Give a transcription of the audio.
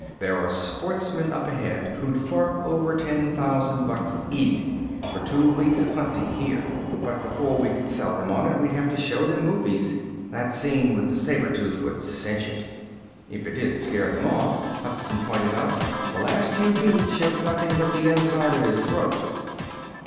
"There are sportsmen up ahead who'd fork over ten thousand bucks easy for two weeks of hunting here. But before we could sell them on it, we'd have to show them movies. That scene with the saber tooth would cinch it." "If it didn't scare them off," Hudson pointed out. "The last few feet showed nothing but the inside of his throat."